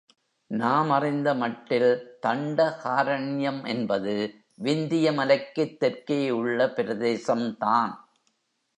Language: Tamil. நாம் அறிந்த மட்டில் தண்டகாரண்யம் என்பது விந்திய மலைக்குத் தெற்கே உள்ள பிரதேசம்தான்.